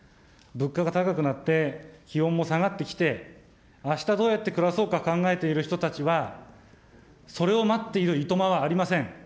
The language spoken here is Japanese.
物価が高くなって、気温も下がってきて、あしたどうやって暮らそうか考えている人たちはそれを待っているいとまはありません。